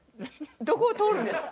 どこを通るんですか？